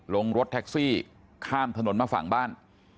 ลงรถแท็กซี่ข้ามถนนมาฝั่งบ้าน